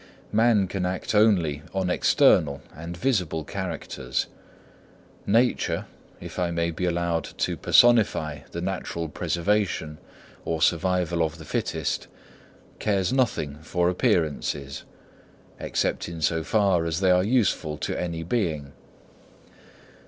Man can act only on external and visible characters: Nature, if I may be allowed to personify the natural preservation or survival of the fittest, cares nothing for appearances, except in so far as they are useful to any being.